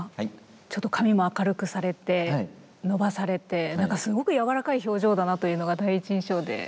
ちょっと髪も明るくされて伸ばされてなんかすごく柔らかい表情だなというのが第一印象で。